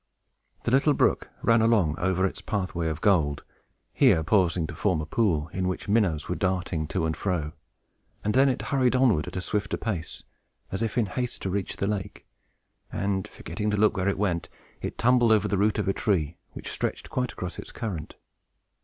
The little brook ran along over its pathway of gold, here pausing to form a pool, in which minnows were darting to and fro; and then it hurried onward at a swifter pace, as if in haste to reach the lake; and, forgetting to look whither it went, it tumbled over the root of a tree, which stretched quite across its current.